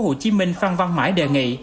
hồ chí minh phan văn mãi đề nghị